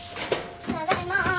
ただいま。